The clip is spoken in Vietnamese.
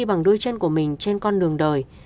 bằng đôi chân của mình trên con đường đời